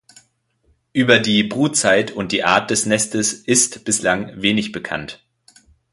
Über die Brutzeit und die Art des Nestes ist bislang wenig bekannt.